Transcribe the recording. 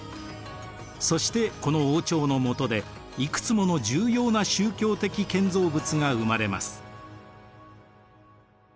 そしてこの王朝の下でいくつもの重要な宗教的建造物が生まれます。